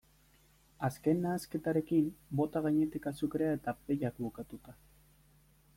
Azken nahasketarekin, bota gainetik azukrea eta pellak bukatuta.